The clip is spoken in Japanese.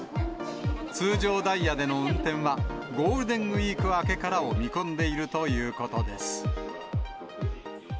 通常ダイヤでの運転は、ゴールデンウィーク明けからを見込んでいるということです。